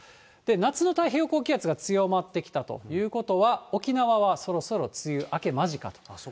夏の太平洋高気圧が強まってきたということは、沖縄はそろそろ梅雨明け間近と。